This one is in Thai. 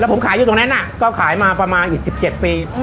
ผมขายอยู่ตรงนั้นก็ขายมาประมาณอีก๑๗ปี